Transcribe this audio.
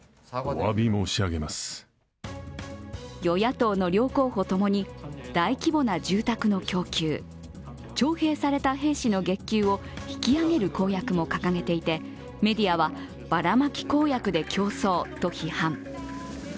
与野党の両候補ともに大規模な住宅の供給、徴兵された兵士の月給を引き上げる公約も掲げていて、メディアは、ばらまき公約で競争と批判。